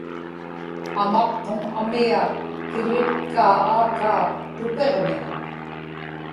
amaqqum amia kilitkaa aakaa tupiġmi